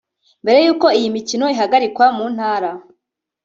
Mbere y’uko iyi mikino ihagarikwa mu ntara